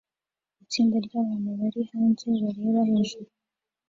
Itsinda ryabantu bari hanze bareba hejuru